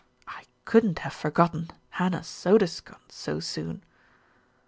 I couldn't have forgotten Hannah's soda scones so soon."